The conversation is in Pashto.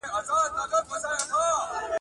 او د غره لمن له لیری ورښکاره سول ,